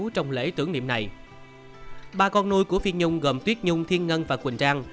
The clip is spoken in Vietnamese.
trong lễ tưởng niệm này ba con nuôi của phiên nhung gồm tuyết nhung thiên ngân và quỳnh trang